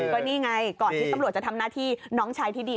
ก็นี่ไงก่อนที่ตำรวจจะทำหน้าที่น้องชายที่ดี